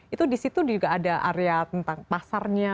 itu di situ juga ada area tentang pasarnya